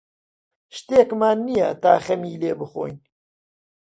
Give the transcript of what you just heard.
شتێکمان نییە تا خەمی لێ بخۆین.